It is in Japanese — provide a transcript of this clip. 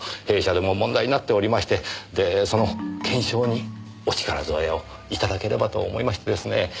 弊社でも問題になっておりましてでその検証にお力添えを頂ければと思いましてですね